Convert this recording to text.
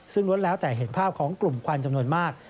ซึ่งล้วนแล้วแต่เห็นภาพของกลุ่มควันจำนวนมาก